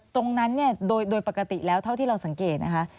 ตรงนั้นเนี่ยโดยปกติแล้วเท่าที่เราสังเกตนะคะ